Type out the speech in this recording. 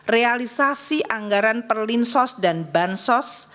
realisasi anggaran perlinsos dan bansos